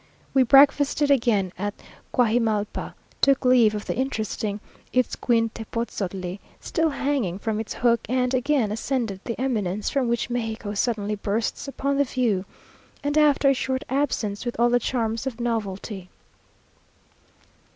We breakfasted again at Cuajimalpa, took leave of the interesting itzcuin tepotzotli, still hanging from its hook and again ascended the eminence from which Mexico suddenly bursts upon the view, and after a short absence, with all the charms of novelty.